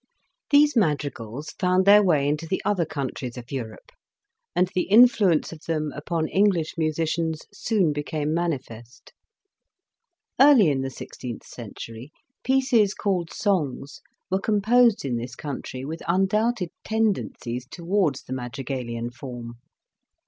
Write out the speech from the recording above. These madrigals found their way into the other countries of Europe, and the influence of them upon English musicians soon became manifest. Early in the sixteenth century, pieces called songs were composed in this country with un doubted tendencies towards the madrigalian form.